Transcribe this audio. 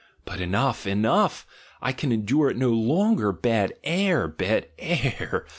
But enough! Enough! I can endure it no longer. Bad air! Bad air!